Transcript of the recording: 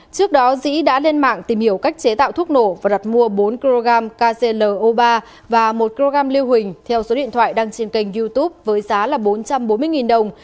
trước đó dĩ đã lên mạng tìm hiểu cách chế tạo thuốc nổ và đặt mua bốn kg kclo ba và một kg lưu huỳnh theo số điện thoại đăng trên kênh youtube với giá là bốn trăm bốn mươi đồng